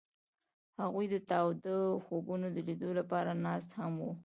هغوی د تاوده خوبونو د لیدلو لپاره ناست هم وو.